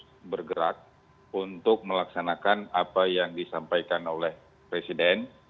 kita bergerak untuk melaksanakan apa yang disampaikan oleh presiden